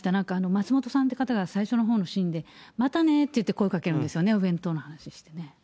松本さんという方が最初のほうのシーンで、またねって言って、声かけるんですよね、お弁当の話をしてね。